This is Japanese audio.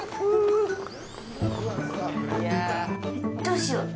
どうしよう！？